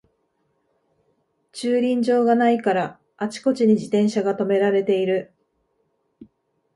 駐輪場がないからあちこちに自転車がとめられてる